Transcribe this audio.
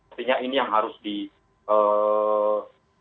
artinya ini yang harus di ee